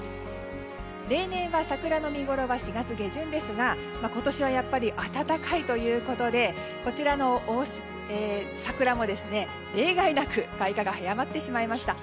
例年は桜の見ごろは４月下旬ですが今年はやっぱり暖かいということでこちらの桜も、例外なく開花が早まってしまいました。